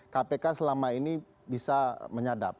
kpk selama ini bisa menyadap